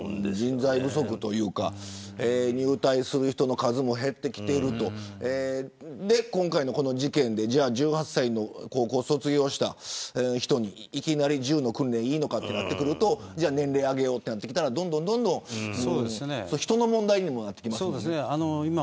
人材不足というか入隊する人の数も減ってきている今回のこの事件で１８歳の高校を卒業した人にいきなり銃の訓練いいのかとなってくると年齢を上げようとなってきたら人の問題にもなってくる。